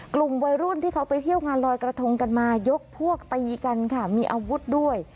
กลุ่มวัยรุ่นที่เขาไปเที่ยวงานลอยกระทงกันมายกพวกตีกันค่ะมีอาวุธด้วย